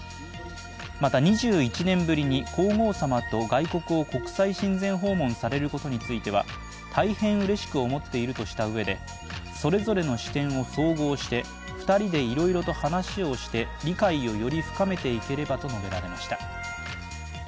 また、２１年ぶりに皇后さまと外国を国際親善訪問されることについては大変うれしく思っているとしたうえで、それぞれの視点を総合して２人でいろいろと話をして、理解をより深めていければと述べられました。